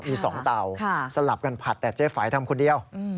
มี๒เตาสลับกันผัดแต่เจ๊ไฝทำคนเดียว